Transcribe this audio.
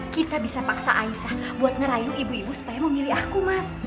kita bisa paksa aisah buat ngerayu ibu ibu supaya memilih aku mas